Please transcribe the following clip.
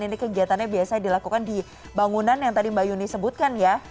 ini kegiatannya biasanya dilakukan di bangunan yang tadi mbak yuni sebutkan ya